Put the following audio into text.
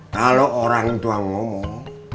kalau orang tua ngomong